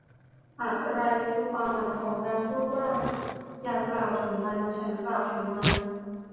อะไรคือความหมายของการพูดว่า อย่ากล่าวถึงมัน ฉันกล่าวถึงมัน